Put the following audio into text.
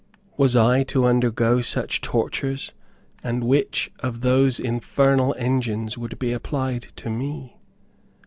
Was I to undergo such tortures, and which of those infernal engines would be applied to me?